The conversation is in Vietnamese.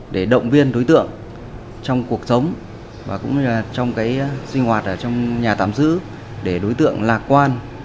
để động viên đối tượng trong cuộc sống và cũng như là trong cái sinh hoạt ở trong nhà tạm giữ để đối tượng lạc quan